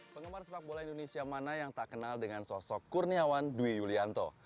penggemar sepak bola indonesia mana yang tak kenal dengan sosok kurniawan dwi yulianto